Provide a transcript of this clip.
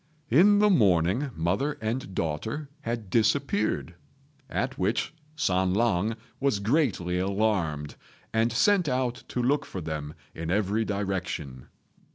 In the morning mother and daughter had disappeared; at which San lang was greatly alarmed, and sent out to look for them in every direction.